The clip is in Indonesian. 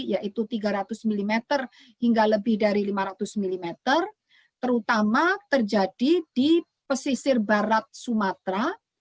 yaitu tiga ratus mm hingga lebih dari lima ratus mm terutama terjadi di pesisir barat sumatera